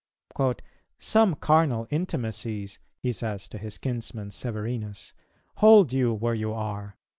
"Some carnal intimacies," he says to his kinsman Severinus, "hold you where you are.